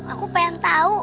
aku pengen tau